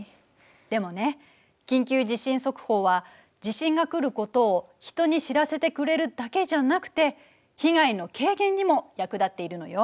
でもね緊急地震速報は地震が来ることを人に知らせてくれるだけじゃなくて被害の軽減にも役立っているのよ。